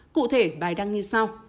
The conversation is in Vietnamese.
cụ thể bài đăng như sau